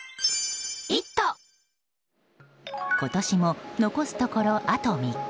今年も残すところあと３日。